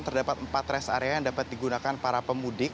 terdapat empat rest area yang dapat digunakan para pemudik